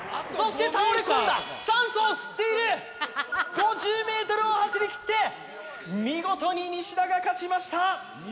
そして倒れ込んだ、酸素を吸っている、５０ｍを走りきって、見事にニシダが勝ちました。